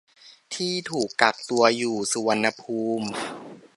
ที่ถูกกักตัวอยู่สุวรรณภูมิ